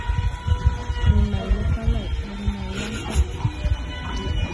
Ree này we pa lay, re mãy yan pa.